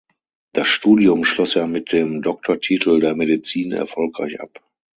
Das Studium schloss er mit dem Doktortitel der Medizin erfolgreich ab.